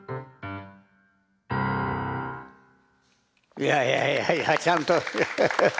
いやいやいやいやちゃんとハハハ。